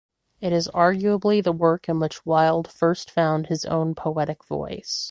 It is arguably the work in which Wilde first found his own poetic voice.